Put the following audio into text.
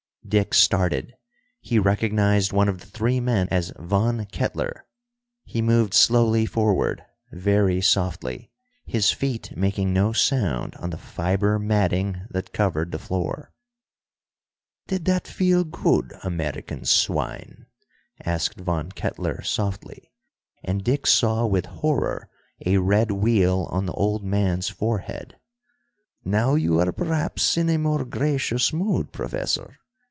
Dick started; he recognized one of the three men as Von Kettler. He moved slowly forward, very softly, his feet making no sound on the fiber matting that covered the floor. "Did that feel good, American swine?" asked Von Kettler softly, and Dick saw, with horror, a red weal on the old man's forehead. "Now you are perhaps in a more gracious mood, Professor?